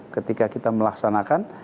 ketika kita melaksanakan